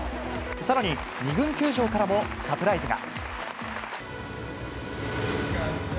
さらに２軍球場からもサプライズが。